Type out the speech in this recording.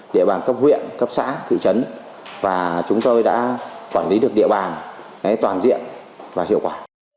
địa bàn cấp huyện cấp xã thị trấn và chúng tôi đã quản lý được địa bàn toàn diện và hiệu quả